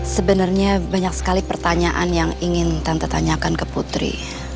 sebenarnya banyak sekali pertanyaan yang ingin tante tanyakan ke putri